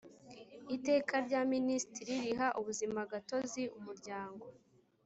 iteka rya minisitiri riha ubuzimagatozi umuryango